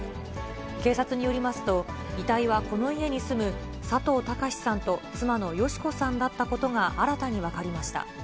警察によりますと、遺体はこの家に住む佐藤孝さんと、妻の良子さんだったことが新たに分かりました。